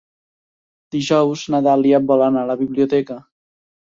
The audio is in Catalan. Dijous na Dàlia vol anar a la biblioteca.